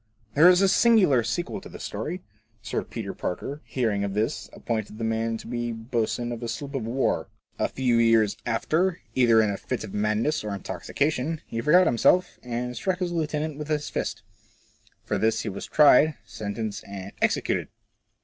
" There is a singular sequel to this story. Sir Peter Parker, hearing of this, appointed the man to be boatswain of a sloop of war. A few years after, either in a fit of madness or intoxication, he forgot himself. FORECASTLE TRAITS, 103 and strnck bis lieutenant with his fist. For this he was tried, sentenced, and executed